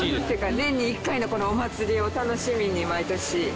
年に１回のこのお祭りを楽しみに毎年。